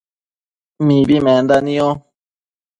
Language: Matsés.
mibi menda nio